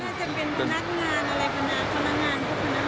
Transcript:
ถ้าจะเป็นพนักงานอะไรพนักงานคือพนักงาน